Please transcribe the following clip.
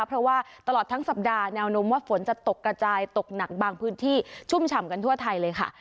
เพราะว่าตลอดทั้งสัปดาห์แนวโน้มว่าฝนจะตกกระจายตกหนักบางพื้นที่ชุ่มฉ่ำกันทั่วไทยเลยค่ะ